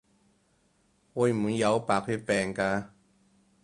會唔會有白血病㗎？